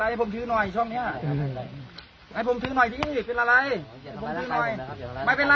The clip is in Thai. ให้ผมน่อยช่องนี้